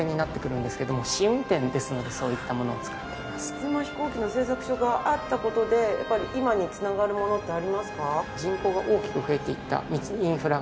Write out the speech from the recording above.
その飛行機の製作所があった事でやっぱり今に繋がるものってありますか？